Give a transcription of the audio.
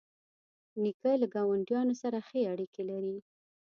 نیکه له ګاونډیانو سره ښې اړیکې لري.